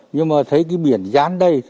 nhưng mà thấy cái biển rán đây